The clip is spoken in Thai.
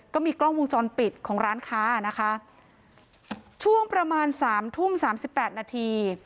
ก็มีกล้องวงจรปิดของร้านค้านะคะช่วงประมาณสามทุ่มสามสิบแปดนาที